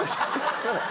すいません